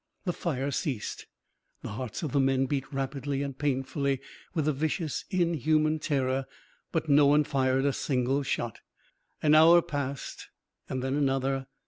The fire ceased. The hearts of the men beat rapidly and painfully with a vicious inhuman terror, but no one fired a single shot. An hour passed and then another.